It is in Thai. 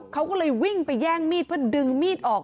เขาก็เลยวิ่งไปแย่งมีดเพื่อดึงมีดออก